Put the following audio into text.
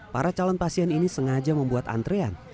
para calon pasien ini sengaja membuat antrean